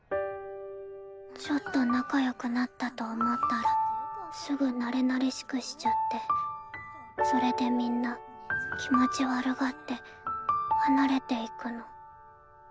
ちょっと仲よくなったと思ったらすぐなれなれしくしちゃってそれでみんな気持ち悪がって離れていくの。